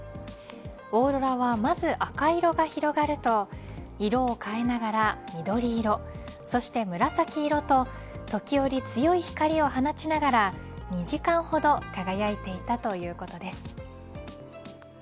オーロラはまず赤色が広がると色を変えながら、緑色そして紫色と時折強い光を放ちながら２時間ほど輝いていたということです。